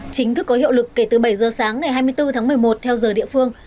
chính thức có hiệu lực kể từ bảy giờ sáng ngày hai mươi bốn tháng một mươi một theo giờ địa phương